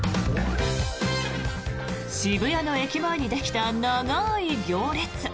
渋谷の駅前にできた長い行列。